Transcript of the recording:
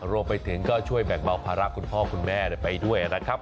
รวมไปถึงก็ช่วยแบ่งเบาภาระคุณพ่อคุณแม่ไปด้วยนะครับ